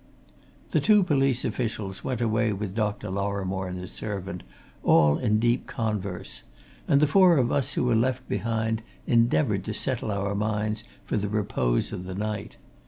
The two police officials went away with Dr. Lorrimore and his servant, all in deep converse, and the four of us who were left behind endeavoured to settle our minds for the repose of the night.